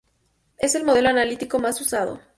Es el modelo analítico más usado.